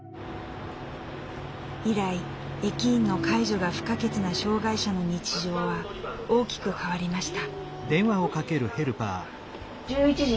以来駅員の介助が不可欠な障害者の日常は大きく変わりました。